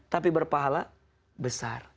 tapi berpahala besar